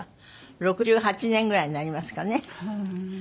６８年ぐらいになりますかね。